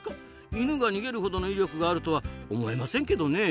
イヌが逃げるほどの威力があるとは思えませんけどねえ。